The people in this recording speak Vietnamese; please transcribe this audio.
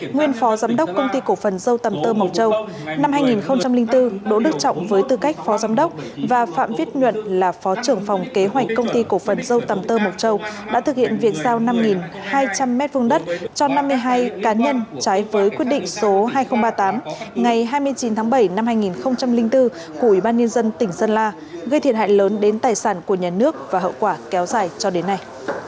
nguyên phó giám đốc công ty cổ phần dâu tầm tơ mộc châu năm hai nghìn bốn đỗ đức trọng với tư cách phó giám đốc và phạm viết nhuận là phó trưởng phòng kế hoạch công ty cổ phần dâu tầm tơ mộc châu đã thực hiện việc giao năm hai trăm linh m hai cho năm mươi hai cá nhân trái với quyết định số hai nghìn ba mươi tám ngày hai mươi chín tháng bảy năm hai nghìn bốn của ủy ban nhân dân tỉnh sơn la gây thiệt hại lớn đến tài sản của nhà nước và hậu quả kéo dài cho đến nay